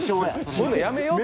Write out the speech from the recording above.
そういうのやめようって。